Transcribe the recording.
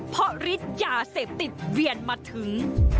เพราะฤทธิ์ยาเสพติดเวียนมาถึง